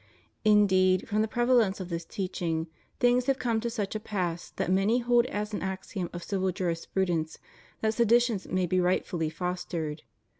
Indeed from the prevalence of this teaching, things have come to such a pass that many hold as an axiom of civil jurisprudence that seditions may be rightfully fostered.